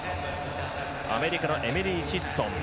アメリカのエミリー・シッソン。